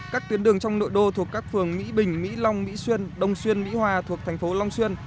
các tuyến đường trong nội đô thuộc các phường mỹ bình mỹ long mỹ xuyên đông xuyên mỹ hòa thuộc thành phố long xuyên